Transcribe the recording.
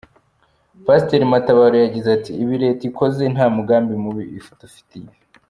Pasiteri Matabaro yagize ati” Ibi Leta ikoze nta mugambi mubi idufitiye.